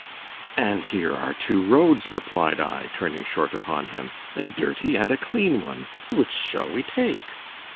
—And here are two roads, replied I, turning short upon him——a dirty and a clean one——which shall we take?